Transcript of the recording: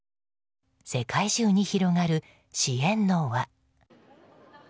世界中に広がる支援の輪。